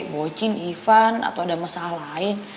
bocin event atau ada masalah lain